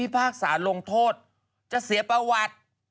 พากษาลงโทษจะเสียประวัติ